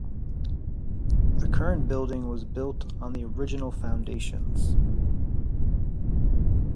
The current building was built on the original foundations.